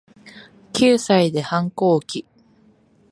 九歳で反抗期